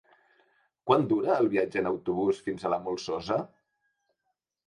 Quant dura el viatge en autobús fins a la Molsosa?